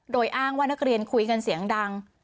โดยอ้างว่านักเรียนคุยกันเสียงดัง